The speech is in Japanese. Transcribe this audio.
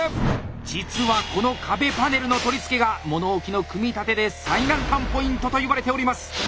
実はこの壁パネルの取り付けが物置の組み立てで最難関ポイントといわれております。